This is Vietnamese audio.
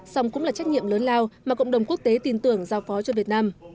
song cũng là trách nhiệm lớn lao mà cộng đồng quốc tế tin tưởng giao phó cho việt nam